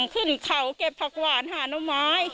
ขึ้นเขาเก็บผักหวานหาน้องไม้